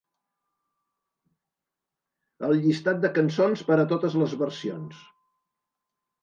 El llistat de cançons per a totes les versions.